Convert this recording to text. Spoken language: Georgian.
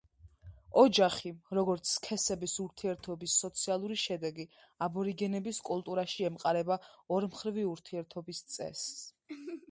ოჯახი, როგორც სქესების ურთიერთობის სოციალური შედეგი, აბორიგენების კულტურაში ემყარება ორმხრივი ურთიერთობის წესს.